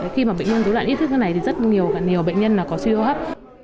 khi bệnh nhân dối loạn ý thức như thế này rất nhiều bệnh nhân có suy hô hấp